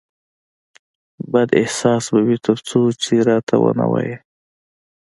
بد احساس به وي ترڅو چې راته ونه وایې